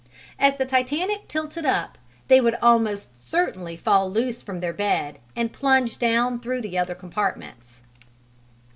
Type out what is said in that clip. As the Titanic tilted up they would almost certainly fall loose from their bed and plunge down through the other compartments.